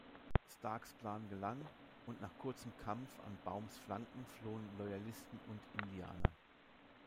Starks Plan gelang, und nach kurzem Kampf an Baums Flanken flohen Loyalisten und Indianer.